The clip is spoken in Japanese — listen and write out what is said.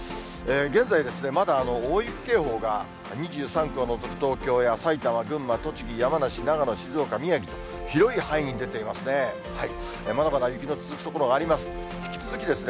現在ですね、まだ、大雪警報が２３区を除く東京や埼玉、群馬、栃木、山梨、長野、静岡、宮城と、広い範囲に出ていますね。